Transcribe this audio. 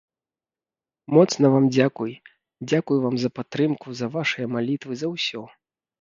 Моцна вам дзякуй, дзякуй вам за падтрымку, за вашыя малітвы, за ўсё.